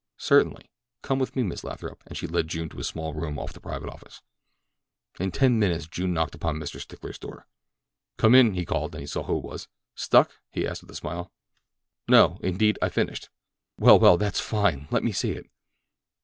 "Certainly. Come with me, Miss Lathrop." And she led June to a small room off the private office. In ten minutes June knocked upon Mr. Stickler's door. "Come in," he called, and as he saw who it was: "Stuck?" he asked with a smile. "No, indeed; I've finished." "Well, well; that's fine. Let me see it."